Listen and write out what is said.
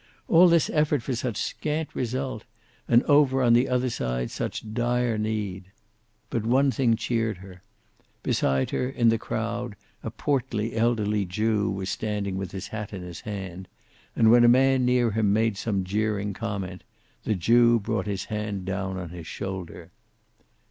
All this effort for such scant result, and over on the other side such dire need! But one thing cheered her. Beside her, in the crowd, a portly elderly Jew was standing with his hat in his hand, and when a man near him made some jeering comment, the Jew brought his hand down on his shoulder.